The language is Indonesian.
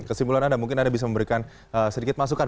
kesimpulan anda mungkin anda bisa memberikan sedikit masukan